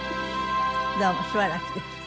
どうもしばらくでした。